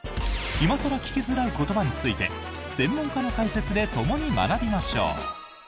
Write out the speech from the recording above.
今更聞きづらい言葉について専門家の解説でともに学びましょう。